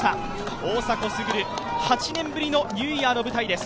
大迫傑、８年ぶりのニューイヤーの舞台です。